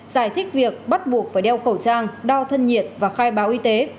giải thích việc bắt buộc phải đeo khẩu trang đo thân nhiệt và khai báo y tế